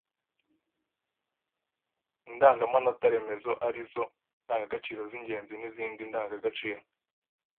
indangamanota remezo ari zo ndangagaciro z’ingenzi n’izindi ndangagaciro